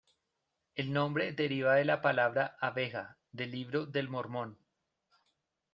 El nombre deriva de la palabra "Abeja" del libro del mormón.